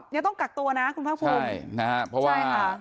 นี่ต้องกักตัวนะคุณพร้อมใช่นะฮะเพราะว่า